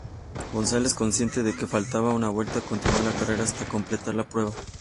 González, consciente de que faltaba una vuelta, continúa la carrera hasta completar la prueba.